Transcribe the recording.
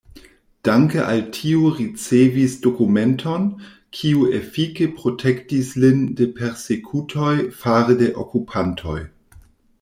Danke al tio ricevis dokumenton, kiu efike protektis lin de persekutoj fare de okupantoj.